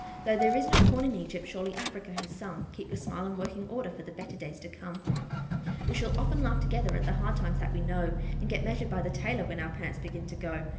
Though there is no corn in Egypt, surely Africa has some Keep your smile in working order for the better days to come ! We shall often laugh together at the hard times that we know, And get measured by the tailor when our pants begin to go.